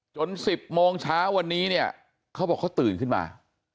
๑๐โมงเช้าวันนี้เนี่ยเขาบอกเขาตื่นขึ้นมา